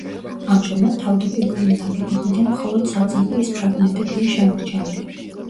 ამჟამად თავდაპირველი ნაგებობიდან მხოლოდ საძირკვლის ფრაგმენტებია შემორჩენილი.